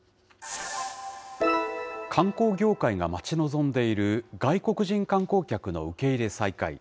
観光業界が待ち望んでいる外国人観光客の受け入れ再開。